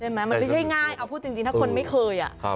ใช่ไหมมันไม่ได้ง่ายเอาพูดจริงถ้าคนไม่เคยอ่ะ